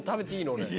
俺。